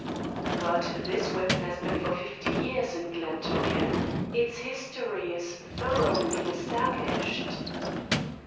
"But this weapon has been for fifty years in Glen Tochan. Its history is thoroughly established."